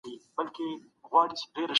زه خپل ښوونځی خوښوم.